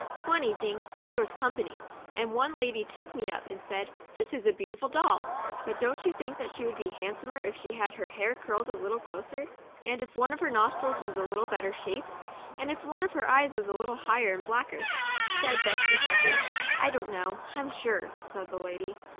One evening there was company, and one lady took me up, and said, " This is a beautiful doll." " But don't you think that she would be hand somer, if she had her hair curled a little closer, and if one of her nostrils w T as a little better shaped, and if one of her eyes was a little higher and blacker," said 76 MEMOIRS OF A Betsy Harper. " I don't know, I'm sure," said the lady.